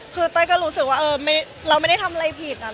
คือเต้ยก็รู้สึกว่าเราไม่ได้ทำอะไรผิด